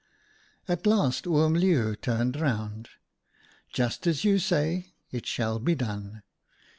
" At last Oom Leeuw turned round. "' Just as you say, it shall be done.